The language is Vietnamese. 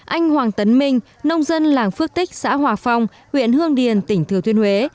anh hoàng tấn minh nông dân làng phước tích xã hòa phong huyện hương điền tỉnh thừa thuyên huế